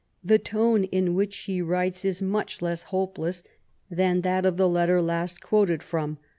The tone in which she writes is much less hopeless than that of the letter last quoted from.